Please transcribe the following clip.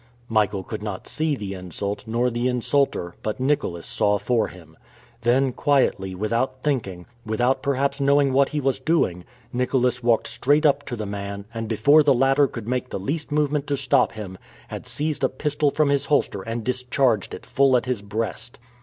Michael could not see the insult, nor the insulter, but Nicholas saw for him. Then, quietly, without thinking, without perhaps knowing what he was doing, Nicholas walked straight up to the man, and, before the latter could make the least movement to stop him, had seized a pistol from his holster and discharged it full at his breast.